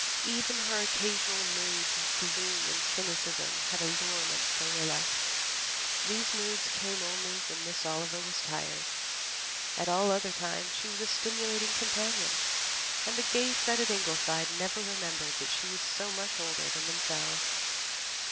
Even her occasional moods of gloom and cynicism had allurement for Rilla. These moods came only when Miss Oliver was tired. At all other times she was a stimulating companion, and the gay set at Ingleside never remembered that she was so much older than themselves.